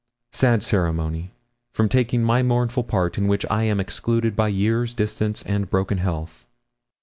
Sad ceremony, from taking my mournful part in which I am excluded by years, distance, and broken health.